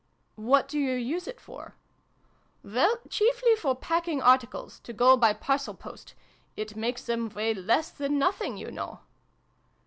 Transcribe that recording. '' What do you use it for ?" "Well, chiefly for packing articles, to go by Parcel Post. It makes them weigh less than nothing, you know."